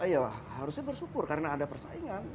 ya harusnya bersyukur karena ada persaingan